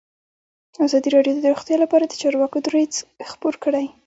ازادي راډیو د روغتیا لپاره د چارواکو دریځ خپور کړی.